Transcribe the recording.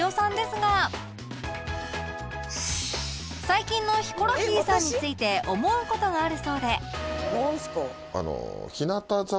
最近のヒコロヒーさんについて思う事があるそうで